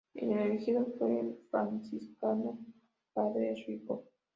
El elegido fue el franciscano padre Rico.